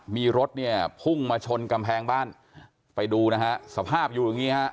มีรถเนี่ยพุ่งมาชนกำแพงบ้านไปดูนะฮะสภาพอยู่อย่างงี้ฮะ